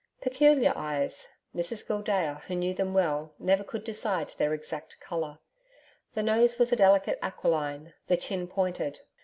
Peculiar eyes: Mrs Gildea, who knew them well, never could decide their exact colour. The nose was a delicate aquiline, the chin pointed.